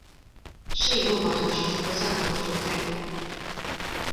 圣以诺广场是许多教堂的所在地。